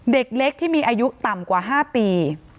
เด็กเล็กที่มีอายุต่ำกว่า๕ปี